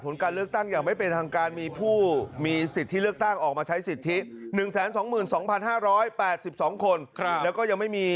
เพิ่มมาเป็นหมื่นคะแนนแล้วนะ